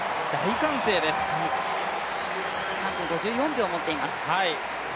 ３分５４秒を持っています。